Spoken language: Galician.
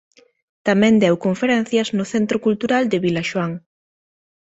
Tamén deu conferencias no Centro Cultural de Vilaxoán.